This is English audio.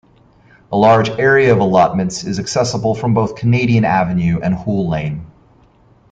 A large area of allotments is accessible from both Canadian Avenue and Hoole Lane.